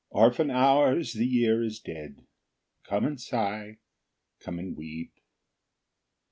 Orphan Hours, the Year is dead, Come and sigh, come and weep!